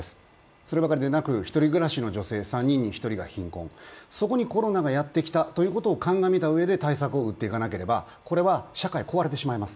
そればかりでなく１人暮らしの女性３人に１人が貧困そこにコロナがやってきたということを鑑みたうえで対策を打っていかなければ社会が壊れてしまいます。